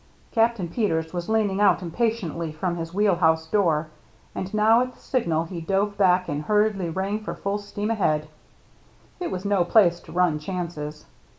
Captain Peters was leaning out impa tiently from his wheel house door, and now at the signal he dove back and hurriedly rang for full steam ahead; it was no place to run chances.